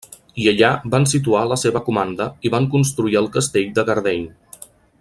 I allà van situar la seva comanda i van construir el Castell de Gardeny.